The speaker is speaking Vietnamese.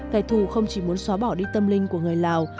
kẻ thù không chỉ muốn xóa bỏ đi tâm linh của người lào